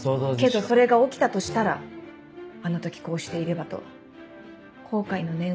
けどそれが起きたとしたら「あの時こうしていれば」と後悔の念を抱く。